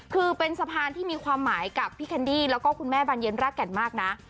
คือเป็นสะพานที่มีความหมายกับพี่แคนดี้แล้วก็คุณแม่บานเย็นรากแก่นมากนะ